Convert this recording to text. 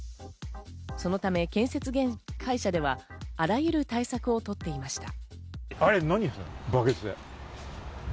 そのため、建設会社ではあらゆる対策を取っていました。